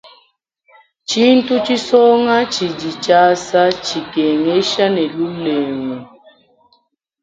Tshintu tshisonga tshidi tshiasa, tshikengesha ne lulengu.